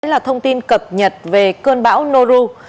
là thông tin cập nhật về cơn bão noru